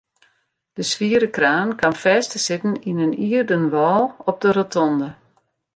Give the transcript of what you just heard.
De swiere kraan kaam fêst te sitten yn in ierden wâl op de rotonde.